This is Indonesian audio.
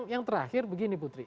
yang terakhir begini putri